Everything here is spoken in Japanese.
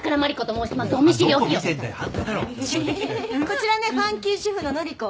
こちらねファンキー主婦の典子。